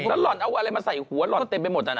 แล้วหล่อนเอาอะไรมาใส่หัวหล่อนเต็มไปหมด